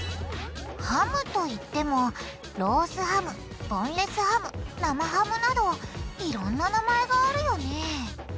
ハムといってもロースハムボンレスハム生ハムなどいろんな名前があるよね。